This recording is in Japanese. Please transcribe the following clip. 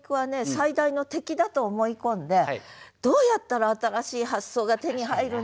最大の敵だと思い込んで「どうやったら新しい発想が手に入るんだろう？」って